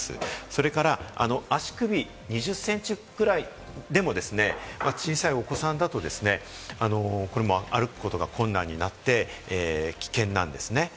それから足首、２０センチくらいでもですね、小さいお子さんだと、これも歩くことが困難になって危険なんですね。